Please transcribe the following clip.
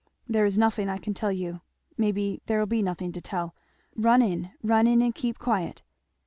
"There is nothing I can tell you Maybe there'll be nothing to tell Run in, run in, and keep quiet."